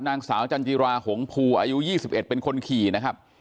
นางสาวจันจิราหงภูอายุ๒๑เป็นคนขี่นะครับ